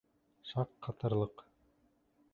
Шаҡ ҡатырлыҡ!